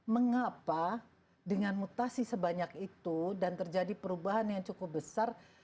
mengapa dengan mutasi sebanyak itu dan terjadi perubahan yang cukup besar